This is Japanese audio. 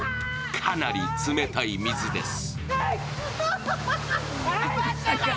かなり冷たい水です。